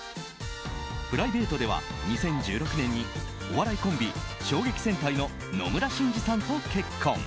プライベートでは２０１６年にお笑いコンビ笑撃戦隊の野村辰二さんと結婚。